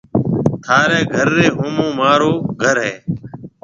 ٿارَي گهر ريَ هومون مهارو گهر هيَ۔